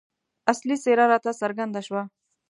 اصلي څېره راته څرګنده شوه.